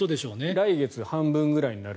来月、半分くらいになる。